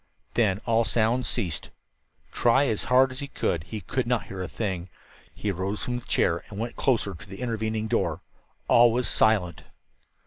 Then all sound ceased. Try as hard as he would, he could not hear a thing. He rose from the chair and went closer to the intervening door. All was silent!